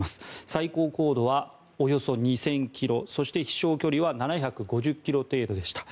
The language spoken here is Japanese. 最高高度はおよそ２０００ｋｍそして飛翔距離は７５０ｋｍ程度でした。